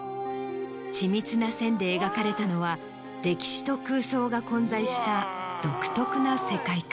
緻密な線で描かれたのは歴史と空想が混在した独特な世界観。